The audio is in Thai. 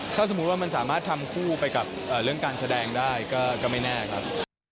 ถ้าสมมุติว่ามันสามารถทำคู่ไปกับเรื่องการแสดงได้ก็ไม่แน่ครับ